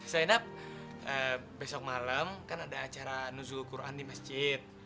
seidap besok malam kan ada acara nuzul quran di masjid